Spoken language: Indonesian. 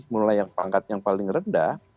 mulai yang pangkat yang paling rendah